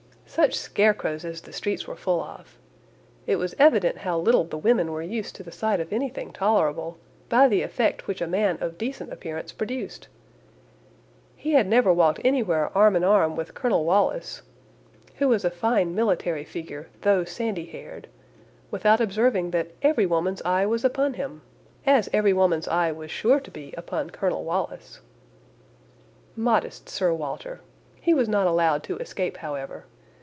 Such scarecrows as the streets were full of! It was evident how little the women were used to the sight of anything tolerable, by the effect which a man of decent appearance produced. He had never walked anywhere arm in arm with Colonel Wallis (who was a fine military figure, though sandy haired) without observing that every woman's eye was upon him; every woman's eye was sure to be upon Colonel Wallis." Modest Sir Walter! He was not allowed to escape, however.